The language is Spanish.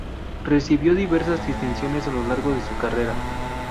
Recibió diversas distinciones a lo largo de su carrera.